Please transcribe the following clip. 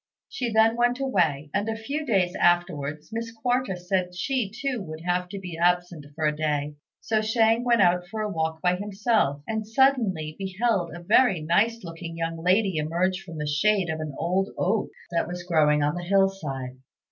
She then went away; and a few days afterwards Miss Quarta said she too would have to be absent for a day, so Shang went out for a walk by himself, and suddenly beheld a very nice looking young lady emerge from the shade of an old oak that was growing on the hill side.